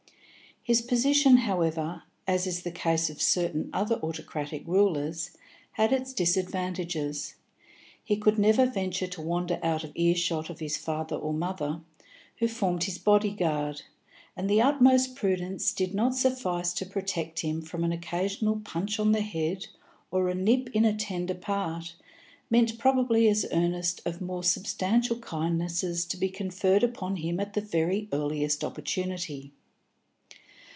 His position, however, as in the case of certain other autocratic rulers, had its disadvantages; he could never venture to wander out of earshot of his father or mother, who formed his body guard, and the utmost prudence did not suffice to protect him from an occasional punch on the head, or a nip in a tender part, meant probably as earnest of more substantial kindnesses to be conferred upon him at the very earliest opportunity.